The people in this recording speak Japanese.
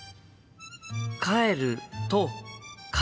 「帰る」と「帰る」。